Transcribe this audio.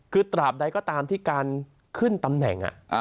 คือตราบใดก็ตามที่การขึ้นตำแหน่ง